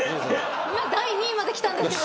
第２位まで来たんですけど。